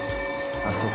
ああそうか。